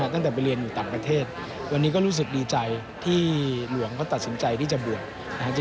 ตั้งแต่ไปเรียนอยู่ต่างประเทศวันนี้ก็รู้สึกดีใจที่หลวงเขาตัดสินใจที่จะบวชนะครับ